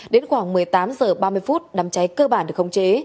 đến khoảng một mươi tám giờ ba mươi phút đám cháy cơ bản được không chế